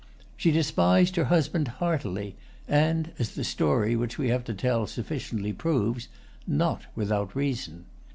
She despised her husband heartily, and, as the story which we have to tell sufficiently proves, not without reason.